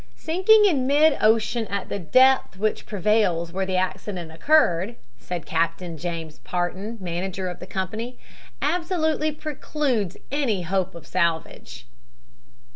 "Sinking in mid ocean, at the depth which prevails where the accident occurred," said Captain James Parton, manager of the company, "absolutely precludes any hopes of salvage."